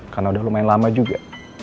karena udah lumayan lama juga